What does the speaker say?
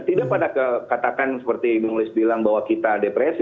tidak pada ke katakan seperti ibu nulis bilang bahwa kita depresi